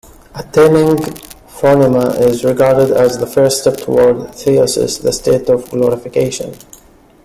Attaining "phronema" is regarded as the first step toward "theosis", the state of "glorification".